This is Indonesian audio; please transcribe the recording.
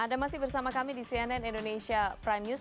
anda masih bersama kami di cnn indonesia prime news